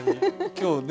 今日ね